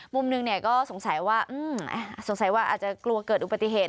มุมหนึ่งก็สงสัยว่าสงสัยว่าอาจจะกลัวเกิดอุบัติเหตุ